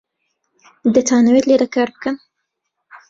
دەتانەوێت لێرە کار بکەن؟